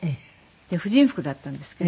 婦人服だったんですけど。